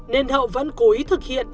nên hậu vẫn cố ý thực hiện